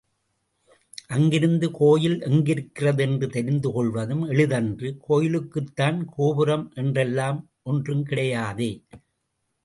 அங்கிருந்து கோயில் எங்கிருக்கிறது என்று தெரிந்து கொள்வதும் எளிதன்று கோயிலுக்குத்தான் கோபுரம் என்றெல்லாம் ஒன்றும் கிடையாதே.